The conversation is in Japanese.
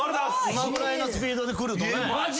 今ぐらいのスピードでくるとね。